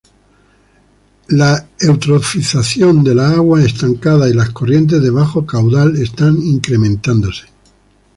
La eutrofización de las aguas estancadas y las corrientes de bajo caudal están incrementándose.